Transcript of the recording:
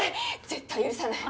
絶対許さない。